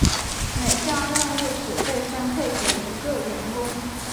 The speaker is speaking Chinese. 每项任务只被分配给一个员工。